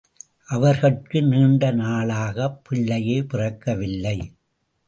அவர்கட்கு நீண்ட நாளாகப் பிள்ளையே பிறக்கவில்லை.